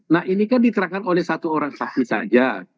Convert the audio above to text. nah ini kan diterangkan oleh satu orang saksi saja